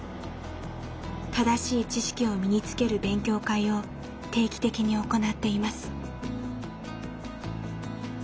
正しい知識を身につける勉強会を定期的に行っています。